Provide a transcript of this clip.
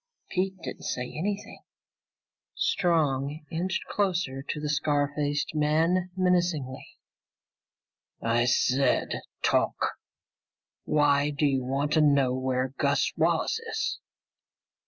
Pete didn't say anything. Strong inched closer to the scar faced man menacingly. "I said talk! Why do you want to know where Gus Wallace is?